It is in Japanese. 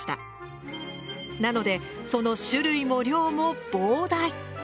なのでその種類も量も膨大。